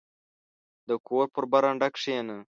• د کور په برنډه کښېنه.